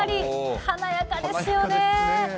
華やかですよねー。